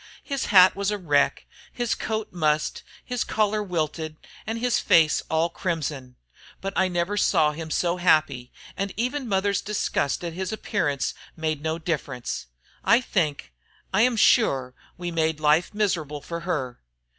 His hat was a wreck, his coat mussed, his collar wilted, and his face all crimson. But I never saw him so happy, and even mother's disgust at his appearance made no difference." "I think I am sure we made life miserable for her.